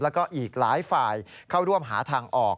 แล้วก็อีกหลายฝ่ายเข้าร่วมหาทางออก